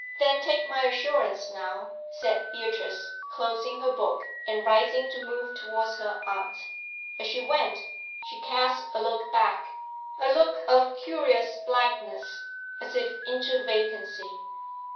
'Then take my assurance now,' said Beatrice, closing her book, and rising to move towards her aunt. As she went, she cast a look back, a look of curious blankness, as if into vacancy.